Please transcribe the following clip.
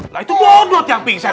lah itu bodoh yang pingsan